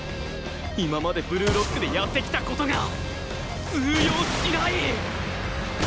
今までブルーロックでやってきた事が通用しない！？